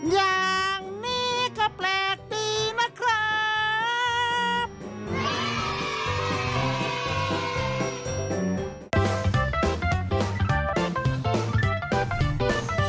อย่างนี้ก็แปลกดีนะครับ